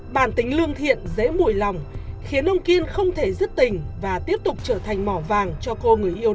bản tính lương thiện dễ mùi lòng khiến ông kiên không thể giất tình và tiếp tục trở thành mỏ vàng cho cô